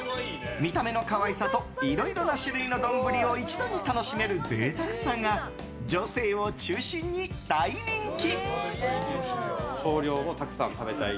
見た目の可愛さといろいろな種類の丼を一度に楽しめる贅沢さが女性を中心に大人気。